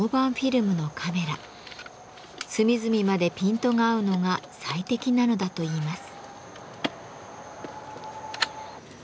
隅々までピントが合うのが最適なのだといいます。